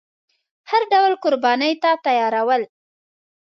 هر ډول قربانۍ ته تیار ول.